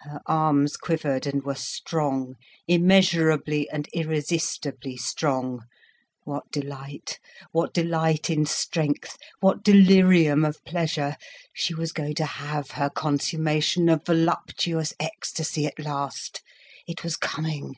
Her arms quivered and were strong, immeasurably and irresistibly strong. What delight, what delight in strength, what delirium of pleasure! She was going to have her consummation of voluptuous ecstasy at last. It was coming!